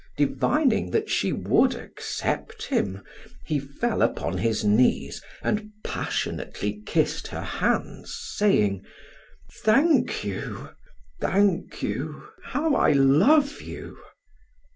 Divining that she would accept him, he fell upon his knees, and passionately kissed her hands, saying: "Thank you thank you how I love you."